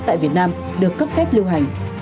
tại việt nam được cấp phép lưu hành